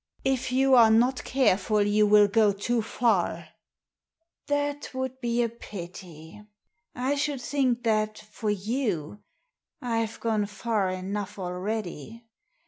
" If you are not careful you will go too far !"" That would be a pity. I should think that, for you, I've gone far enough already.